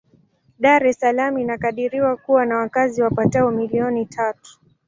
Dar es Salaam inakadiriwa kuwa na wakazi wapatao milioni tatu.